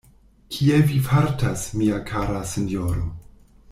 Kiel vi fartas, mia kara sinjoro?